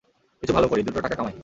কিছু ভালো করি, দুটো টাকা কামাই।